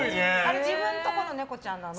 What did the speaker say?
自分のところの猫ちゃんなの？